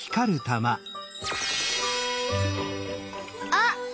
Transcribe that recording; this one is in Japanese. あっ！